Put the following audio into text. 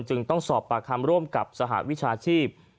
จึงต้องสอบประทำร่มร่วมกับสหวักวิชาชีพ